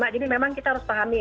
jadi memang kita harus pahami